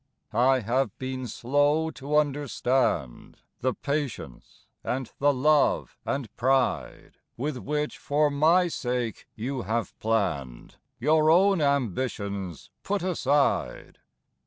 I have been slow to understand The patience and the love and pride "With which for my sake you have hour own ambitions put aside.